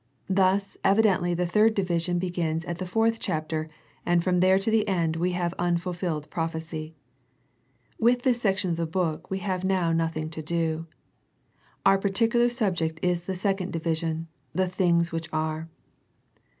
Thus evidently the third division begins at the fourth chapter, and from there to the end we have unfulfilled prophecy. With this section of the book we have now nothing to do. Our particular subject is the second division, " the things which are."